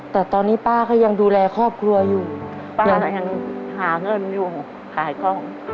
แต่ตอนนี้ป้าก็ยังดูแลครอบครัวอยู่ป้ายังหาเงินอยู่ขายกล้อง